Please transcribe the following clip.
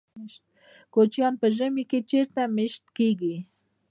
کوچیان په ژمي کې چیرته میشت کیږي؟